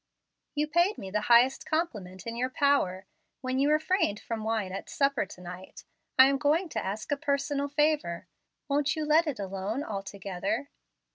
You paid me the highest compliment in your power, when you refrained from wine at supper to night. I am going to ask a personal favor. Won't you let it alone altogether?